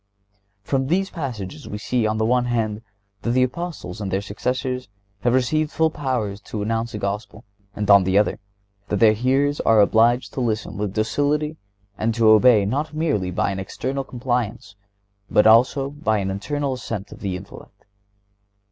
(124) From these passages we see, on the one hand, that the Apostles and their successors have received full powers to announce the Gospel; and on the other, that their hearers are obliged to listen with docility and to obey not merely by an external compliance, but also by an internal assent of the intellect.